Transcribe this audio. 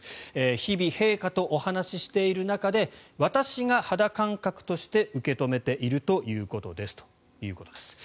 日々、陛下とお話ししている中で私が肌感覚として受け止めているということですということです。